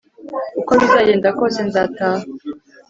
uko bizagenda kose nzataha